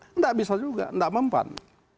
tidak bisa juga tidak mempan